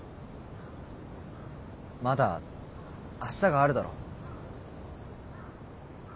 まだ明日があるだろ。